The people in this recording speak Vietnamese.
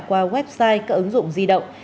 qua website các ứng dụng di động